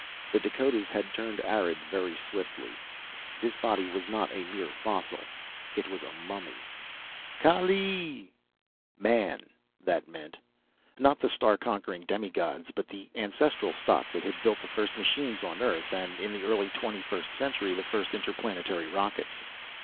The Dakotas had turned arid very swiftly. This body was not a mere fossil. It was a mummy. "Kaalleee!" Man, that meant. Not the star conquering demi gods, but the ancestral stock that had built the first machines on Earth, and in the early Twenty first Century, the first interplanetary rockets.